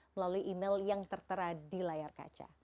melalui email yang tertera di layar kaca